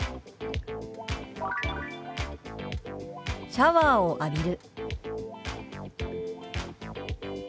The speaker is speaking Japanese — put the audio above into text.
「シャワーを浴びる」。